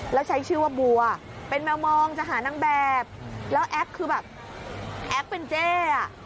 แล้วใช้ชื่อว่าบัวเป็นแมวมองจะหานางแบบแล้วแอ๊กคือแบบแอ๊กเป็นเจ๊อ่ะ